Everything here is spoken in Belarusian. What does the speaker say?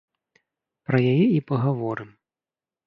Пра яе і пагаворым.